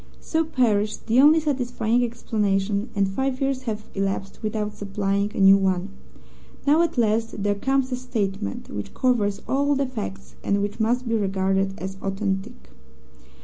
So perished the only satisfying explanation, and five years have elapsed without supplying a new one. Now, at last, there comes a statement which covers all the facts, and which must be regarded as authentic.